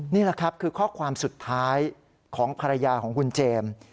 นี่แหละครับคือข้อความสุดท้ายของภรรยาของคุณเจมส์